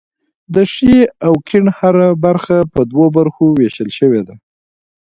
د ښي او کیڼ هره برخه په دوو برخو ویشل شوې ده.